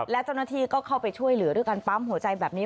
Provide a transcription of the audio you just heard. และเจ้าหน้าที่ก็เข้าไปช่วยเหลือด้วยการปั๊มหัวใจแบบนี้